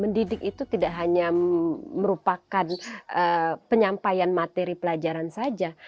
mendidik itu tidak hanya merupakan penyampaian materi pelajaran saja